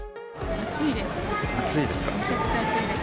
暑いですか。